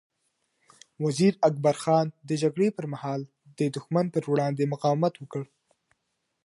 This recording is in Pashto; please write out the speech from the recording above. وزیر اکبر خان د جګړې پر مهال د دښمن پر وړاندې مقاومت وکړ.